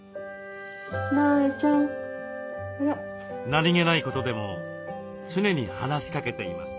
何気ないことでも常に話しかけています。